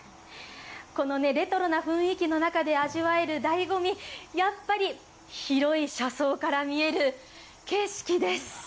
このレトロな雰囲気の中で味わえるだいご味、やっぱり、広い車窓から見える景色です。